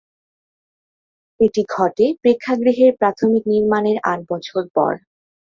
এটি ঘটে প্রেক্ষাগৃহের প্রাথমিক নির্মাণের আট বছর পর।